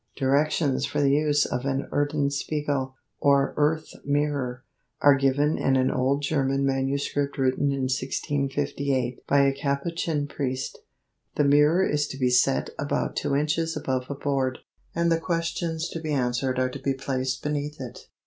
Directions for the use of an Erdenspiegel, or "earth mirror," are given in an old German manuscript written in 1658 by a Capuchin priest. The mirror is to be set about two inches above a board, and the questions to be answered are to be placed beneath it.